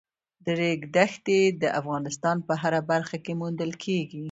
د ریګ دښتې د افغانستان په هره برخه کې موندل کېږي.